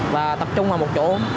và tập trung vào một chỗ